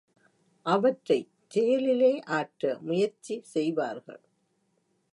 அவற்றைச் செயலிலே ஆற்ற முயற்சி செய்வார்கள்.